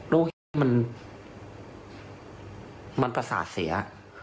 ลูกขี้มันมันประสาทเสีย